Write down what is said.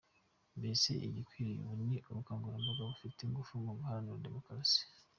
Mbese igikwiriye ubu ni ubukangurambaga bufite ingufu mu guharanira demokarasi.